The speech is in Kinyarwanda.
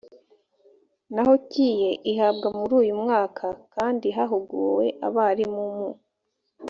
naho kie ihabwa muri uyu mwaka kandi hahuguwe abarimu mu